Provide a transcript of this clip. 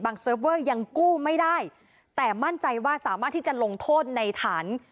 เซิร์ฟเวอร์ยังกู้ไม่ได้แต่มั่นใจว่าสามารถที่จะลงโทษในฐาน